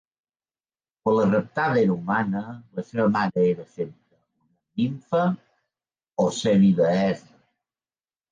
Quan la raptada era humana, la seva mare era sempre una nimfa o semideessa.